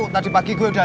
tadi pagi gua udah lihat